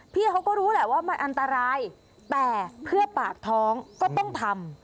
พี่เขาก็รู้แหละว่ามันอันตรายแต่เพื่อปากท้องก็ต้องทำ